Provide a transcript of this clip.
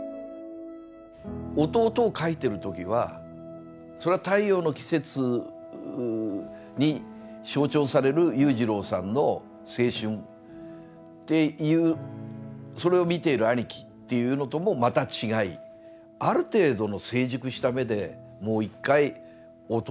「弟」を書いてる時はそれは「太陽の季節」に象徴される裕次郎さんの青春っていうそれを見ている兄貴っていうのともまた違いある程度の成熟した目でもう一回弟を見るわけですから。